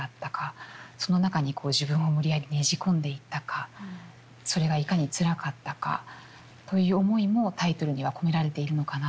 その中にこう自分を無理やりねじ込んでいったかそれがいかにつらかったかという思いもタイトルには込められているのかなと。